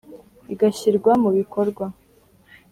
igashyirwa mu bikorwa